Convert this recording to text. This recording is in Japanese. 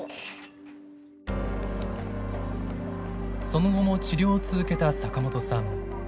その後も治療を続けた坂本さん。